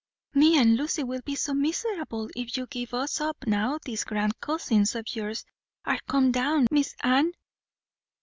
"Me and Lucy will be so miserable if you give us up now these grand cousins of yours are come down, Miss Anne!"